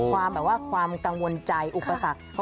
แบบว่าความกังวลใจอุปสรรค